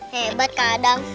hebat kak adam